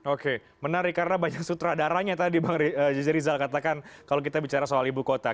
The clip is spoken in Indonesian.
oke menarik karena banyak sutradaranya tadi bang jj rizal katakan kalau kita bicara soal ibu kota